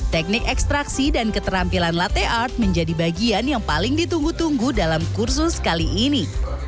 teknik ekstraksi dan keterampilan latte art menjadi bagian yang paling ditunggu tunggu dalam kursus kali ini